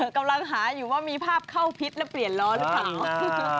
กำลังหาอยู่ว่ามีภาพเข้าพิษแล้วเปลี่ยนล้อหรือเปล่า